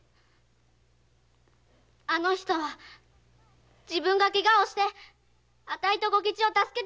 あの人は自分がケガをしてあたいと小吉を助けてくれました。